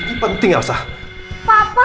aku harus berhati hati dengan papa aku